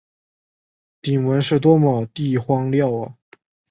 鼎文是多么地荒谬啊！